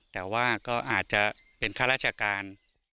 แต่ว่าก็อาจจะเป็นข้าราชการ